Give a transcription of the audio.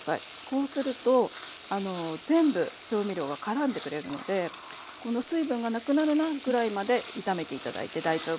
こうすると全部調味料がからんでくれるのでこの水分がなくなるなぐらいまで炒めて頂いて大丈夫です。